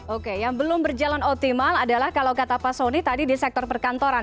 oke yang belum berjalan optimal adalah kalau kata pak soni tadi di sektor perkantoran